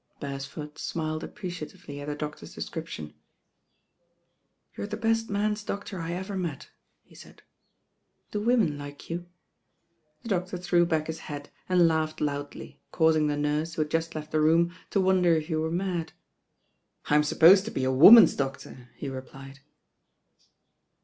Beresford smiled appreciatively at the doctor's description. "You're the best man's doctor I ever met," he said. "Do women like you?" The doctor threw back his head and laughed loudly, causing the nurse, who had just left the room, to wonder if he were mad. "I'm supposed to be a woman's doctor," he re plied.